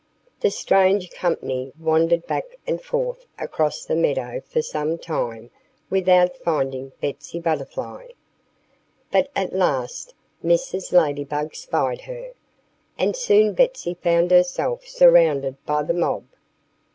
The strange company wandered back and forth across the meadow for some time without finding Betsy Butterfly. But at last Mrs. Ladybug spied her. And soon Betsy found herself surrounded by the mob.